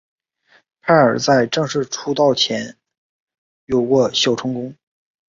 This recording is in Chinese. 派瑞在正式出道前有过小成功。